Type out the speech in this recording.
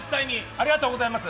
ありがとうございます！